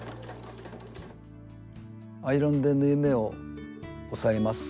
アイロンで縫い目を押さえます。